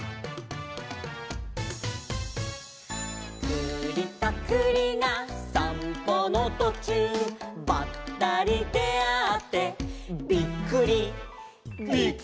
「くりとくりがさんぽのとちゅう」「ばったりであってびっくり」